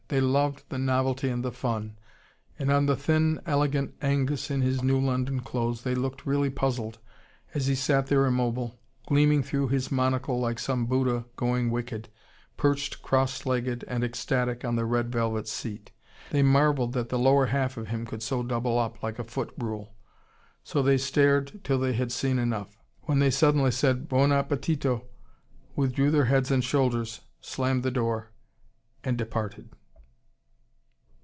They loved the novelty and the fun. And on the thin, elegant Angus in his new London clothes, they looked really puzzled, as he sat there immobile, gleaming through his monocle like some Buddha going wicked, perched cross legged and ecstatic on the red velvet seat. They marvelled that the lower half of him could so double up, like a foot rule. So they stared till they had seen enough. When they suddenly said "Buon 'appetito," withdrew their heads and shoulders, slammed the door, and departed.